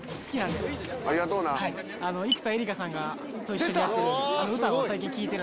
生田絵梨花さんと一緒にやってる。